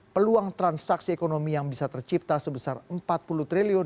peluang transaksi ekonomi yang bisa tercipta sebesar empat puluh triliun